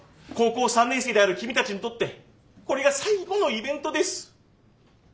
高校３年生である君たちにとってこれが最後のイベントです。